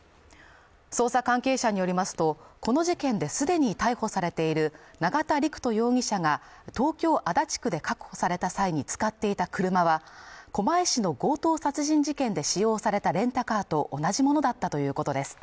捜査関係者によりますとこの事件ですでに逮捕されている永田陸人容疑者が東京・足立区で確保された際に使っていた車は狛江市の強盗殺人事件で使用されたレンタカーと同じものだったということです